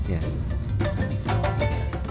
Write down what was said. dan diambil dari air